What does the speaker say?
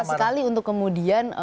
susah sekali untuk kemudian